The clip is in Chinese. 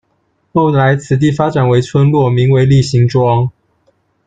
后来此地发展为村落，名为“立新庄”。